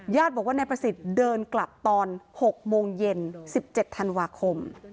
บอกว่านายประสิทธิ์เดินกลับตอน๖โมงเย็น๑๗ธันวาคม